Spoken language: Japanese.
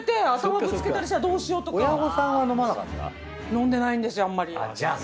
飲んでないんですよあんまり。